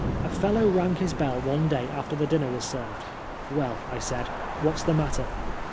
A fellow rang his bell one day after the dinner was served. ' Well,' I said, •what's the matter?